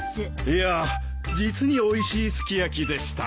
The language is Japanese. いや実においしいすき焼きでした。